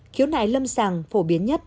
khiếu nại lâm sàng phổ biến nhất